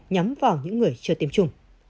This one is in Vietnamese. nhắm vào những người chưa tiêm chủng